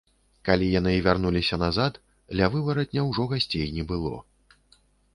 Калі яны вярнуліся назад, ля вываратня ўжо гасцей не было.